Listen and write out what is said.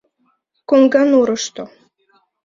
Коҥганурышто.